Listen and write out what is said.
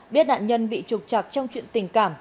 biết nạn nhân bị trục chặt trong chuyện tình cảm